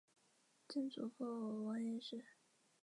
曾祖父王彦实。